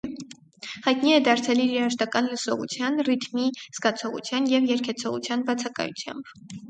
Հայտնի է դարձել իր երաժշտական լսողության, ռիթմի զգացողության և երգեցողության բացակայությամբ։